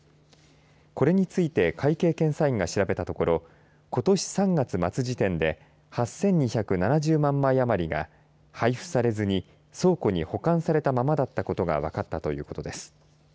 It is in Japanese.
これについて会計検査院が調べたところことし３月末時点で８２７０万枚余りが配布されずに倉庫に保管されたままだったということが分かったということです。